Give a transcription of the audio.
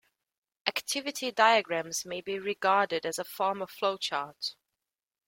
Activity diagrams may be regarded as a form of flowchart.